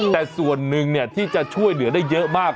แต่ส่วนหนึ่งที่จะช่วยเหลือได้เยอะมาก